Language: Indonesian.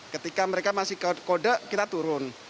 ketika mereka masih kode kita turun